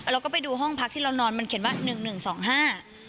เราก็ไปดูห้องพักที่เรานอนมันเขียนว่าหนึ่งหนึ่งสองห้า